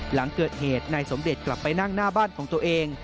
หลังเกิดเหตุนายสมเด็จกลับไปนั่งหน้าบ้านของตัวเอง